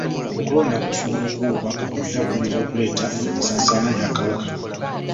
Okulonda kusuubirwa okuba okw'akavuyo era kuyinza okuleeta ensaasaana y'akawuka.